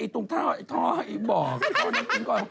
อีตุงท่าอีโธ่อีบอก